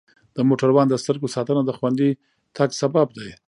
د موټروان د سترګو ساتنه د خوندي تګ سبب دی.